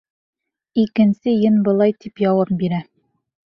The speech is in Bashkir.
Икенсе ен былай тип яуап бирә: